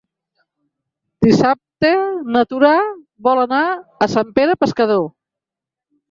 Dissabte na Tura vol anar a Sant Pere Pescador.